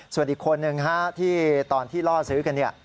ส่วนอีกคนนึงที่ตอนที่ล่อซื้อกันเนี่ย